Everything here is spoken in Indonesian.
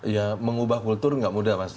ya mengubah kultur nggak mudah mas